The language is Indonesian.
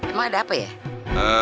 emang ada apa ya